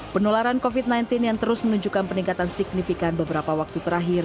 penularan covid sembilan belas yang terus menunjukkan peningkatan signifikan beberapa waktu terakhir